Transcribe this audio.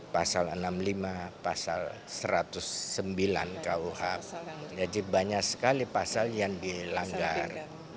pasal enam puluh lima pasal satu ratus sembilan kuh jadi banyak sekali pasal yang dilanggar